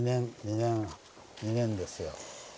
２年２年２年ですよ。